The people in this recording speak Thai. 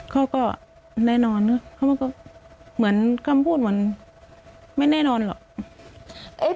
เขาก็แน่นอนเนอะเขาก็เหมือนคำพูดเหมือนไม่แน่นอนหรอก